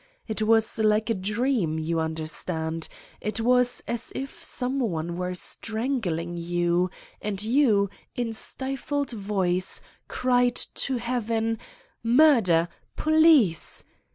It was like a dream, you under stand : it was as if some one were strangling you, and you, in stifled voice, cried to heaven : Murder! Police